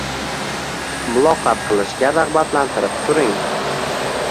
muloqot qilishga rag‘batlantirib turing.